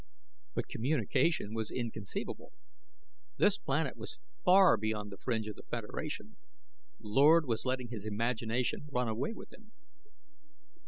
But communication was inconceivable. This planet was far beyond the fringe of the Federation. Lord was letting his imagination run away with him.